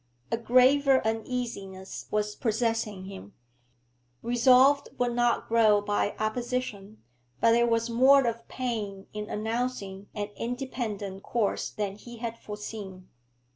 A graver uneasiness was possessing him. Resolve would only grow by opposition, but there was more of pain in announcing an independent course than he had foreseen.